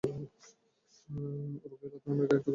Uruguay Latin আমেরিকার একটি ক্ষুদ্র দেশ।